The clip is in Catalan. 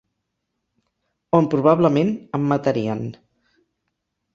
...on probablement em matarien